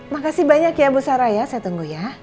makasih banyak ya bu sarah ya saya tunggu ya